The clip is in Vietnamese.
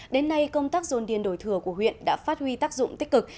đến nay công tác dồn điền đổi thừa của huyện đã phát huy tác dụng tích cực